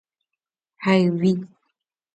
hayvi